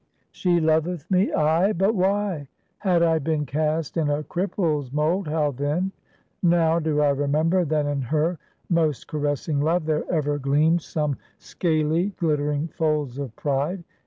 She loveth me, ay; but why? Had I been cast in a cripple's mold, how then? Now, do I remember that in her most caressing love, there ever gleamed some scaly, glittering folds of pride.